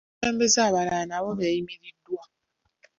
Abakulembeze abalala nabo beeyimiriddwa.